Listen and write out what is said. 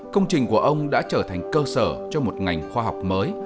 công trình của ông đã trở thành cơ sở cho một ngành khoa học mới